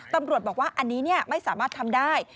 ตำรวจบอกว่าอันนี้ไม่สามารถทำได้